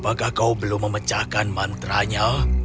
apa yang kamu lakukan untuk memecahkan mantra nya